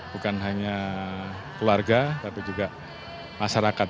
bukan hanya keluarga tapi juga masyarakat